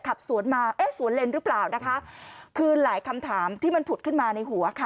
ขับสวนมาเอ๊ะสวนเลนหรือเปล่านะคะคือหลายคำถามที่มันผุดขึ้นมาในหัวค่ะ